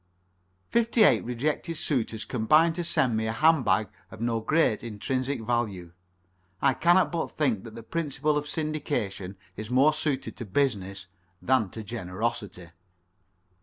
Fifty eight rejected suitors combined to send me a hand bag of no great intrinsic value. I cannot but think that the principle of syndication is more suited to business than to generosity.